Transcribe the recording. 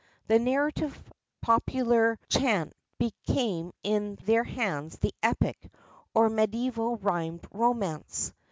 The narrative popular chant became in their hands the Epic, or the mediæval rhymed romance.